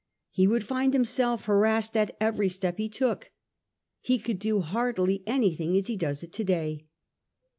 He would find himself harassed at every step he took. He could do hardly anything as he does it to day.